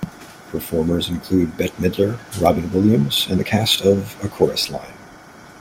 Performers included Bette Midler, Robin Williams, and the cast of A Chorus Line.